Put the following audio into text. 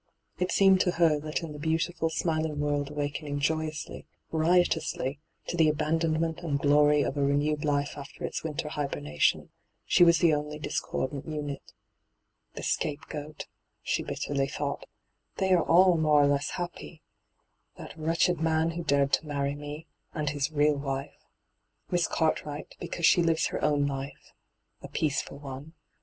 It seemed to her that in the beautiful, smiling world awakening joyously, riotously, to the abandon ment and glory of a renewed life after its winter hibernation, she was the only dis cordant unit. 'The scapegoat I*' she bitterly thought. 'They are all more or less happy. That wretched man who dared to marry me, and his real wife. Miss Cartwright, because she lives her own life — a peaceful one.